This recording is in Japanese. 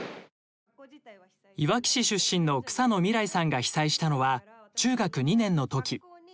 いわき市出身の草野みらいさんが被災したのは中学２年のとき。